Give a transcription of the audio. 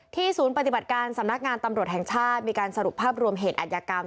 ศูนย์ปฏิบัติการสำนักงานตำรวจแห่งชาติมีการสรุปภาพรวมเหตุอัธยกรรม